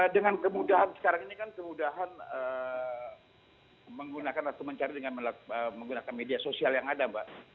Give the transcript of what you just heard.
dengan kemudahan sekarang ini kan kemudahan menggunakan atau mencari dengan menggunakan media sosial yang ada mbak